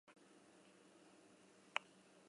Bertan, ordenagilu eramangarriak zeuden.